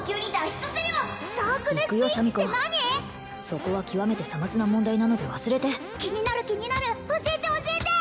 そこは極めて些末な問題なので忘れて気になる気になる教えて教えて！